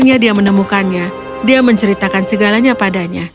ketika dia menemukannya dia menceritakan segalanya padanya